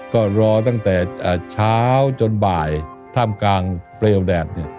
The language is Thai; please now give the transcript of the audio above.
ก็รอตั้งแต่เช้าจนบ่ายท่ามกลางเปลวแดด